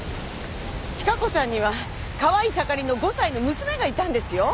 千加子さんには可愛い盛りの５歳の娘がいたんですよ。